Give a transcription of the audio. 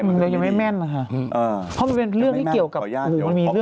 มันไม่แม่นนะคะเพราะมันเป็นเรื่องที่เกี่ยวกับหู